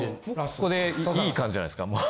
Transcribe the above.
ここでいい感じじゃないですかもう。